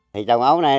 thì trồng ấu này